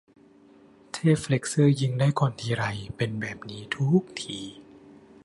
เทพเฟล็ทเชอร์ยิงได้ก่อนทีไร เป็นแบบนี้ทุกที